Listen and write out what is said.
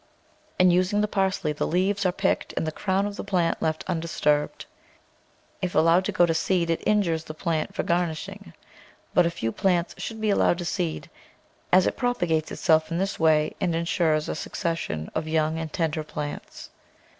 In using the parsley, the leaves are picked and the crown of the plant left undisturbed. If allowed to go to seed it injures the plant for garnishing, but a few plants should be allowed to seed, as it propagates itself in this way and insures a succession of young and tender plants.